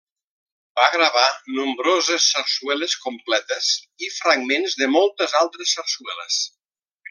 Va gravar nombroses sarsueles completes i fragments de moltes altres sarsueles.